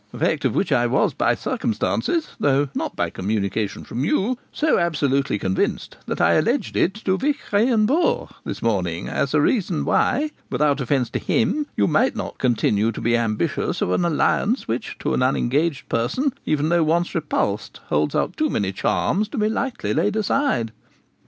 a fact of which I was by circumstances, though not by communication from you, so absolutely convinced that I alleged it to Vich Ian Vohr this morning as a reason why, without offence to him, you might not continue to be ambitious of an alliance which, to an unengaged person, even though once repulsed, holds out too many charms to be lightly laid aside.'